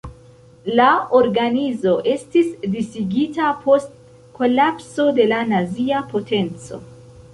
La organizo estis disigita post kolapso de la nazia potenco.